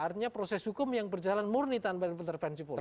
artinya proses hukum yang berjalan murni tanpa intervensi politik